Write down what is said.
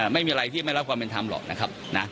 ไม่มีอะไรที่ไม่รับความเป็นธรรมหรอกนะครับ